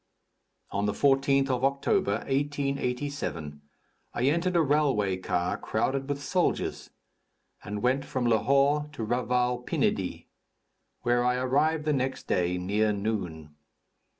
On the 14th of October, 1887, I entered a railway car crowded with soldiers, and went from Lahore to Raval Pinidi, where I arrived the next day, near noon.